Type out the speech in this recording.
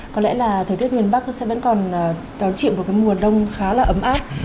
có lẽ là thời tiết miền bắc sẽ vẫn còn đón chịu một cái mùa đông khá là ấm áp